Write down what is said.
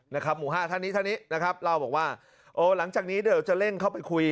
หมู่ห้าท่านนี้ท่านนี้นะครับเล่าบอกว่าโอ้หลังจากนี้เดี๋ยวจะเร่งเข้าไปคุย